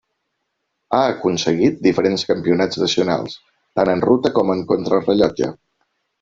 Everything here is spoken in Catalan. Ha aconseguit diferents campionats nacionals, tant en ruta com en contrarellotge.